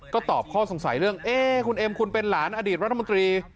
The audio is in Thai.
ก็ตอบข้อสงสัยเรื่องเอ๊ะคุณเอ็มคุณเป็นหลานอดีตรัฐมนตรี